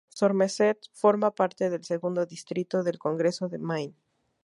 Somerset forma parte del segundo distrito del congreso de Maine.